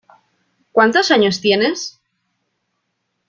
¿Cuántos años tienes?